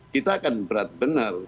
kita akan berat benar